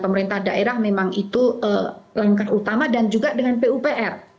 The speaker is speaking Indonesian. pemerintah daerah memang itu langkah utama dan juga dengan pupr